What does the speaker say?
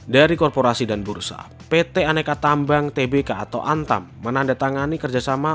dari korporasi dan bursa pt aneka tambang tbk atau antam menandatangani kerjasama